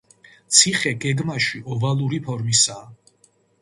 ციხე გეგმაში ოვალური ფორმისაა.